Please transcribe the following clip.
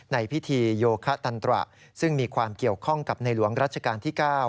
ในพิธีโยคะตันตระซึ่งมีความเกี่ยวข้องกับในหลวงรัชกาลที่๙